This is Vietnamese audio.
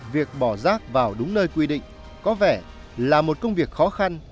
việc bỏ rác vào đúng nơi quy định có vẻ là một công việc khó khăn